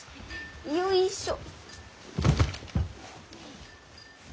よいしょ。